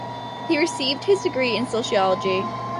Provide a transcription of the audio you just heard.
He received his degree in Sociology.